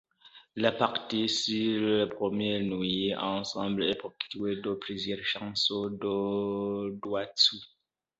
La partie sur leur première nuit ensemble est ponctuée de plusieurs chansons Dodoitsu.